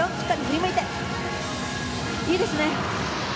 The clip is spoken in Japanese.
いいですね。